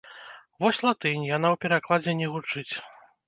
Вось латынь, яна ў перакладзе не гучыць.